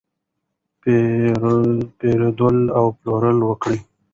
پیرود او پلور وکړئ.